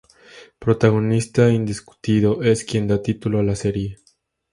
Protagonista indiscutido, es quien da título a la serie.